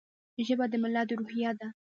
ژبه د ملت روحیه ده.